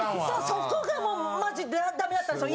そこがもうマジダメだったんですよ。。